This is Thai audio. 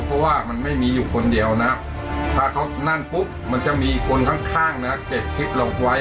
เพราะว่ามันไม่มีอยู่คนเดียวนะถ้าเขานั่งปุ๊บมันจะมีคนข้างนะเก็บคลิปเราไว้